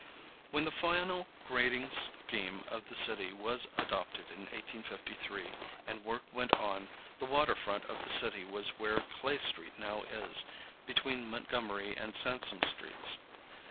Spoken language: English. When the final grading scheme of the city was adopted in 1853, and work went on, the water front of the city was where Clay Street now is, between Montgomery and Sansome Streets.